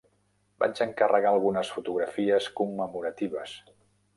Vaig encarregar algunes fotografies commemoratives.